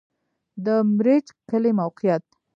د مريچ کلی موقعیت